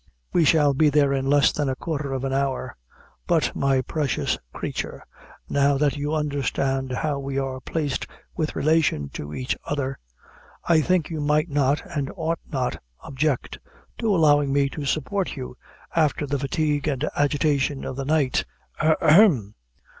We shall be there in less than a quarter of an hour. But, my precious creature, now that you understand how we are placed with relation to each other, I think you might not, and ought not, object to allowing me to support you after the fatigue and agitation of the night hem!